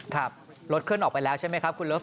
ขับรถเคลื่อนออกไปแล้วใช่ไหมครับคุณเลิฟ